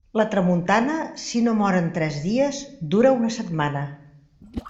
La tramuntana, si no mor en tres dies, dura una setmana.